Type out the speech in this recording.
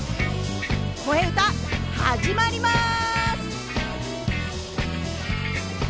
「こえうた」始まります！